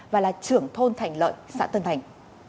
và là trưởng thôn thành lợi xã tân thành